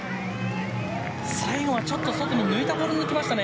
最後はちょっと外に抜いたボールになりましたね。